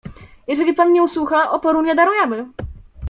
"Jeżeli pan nie usłucha, oporu nie darujemy."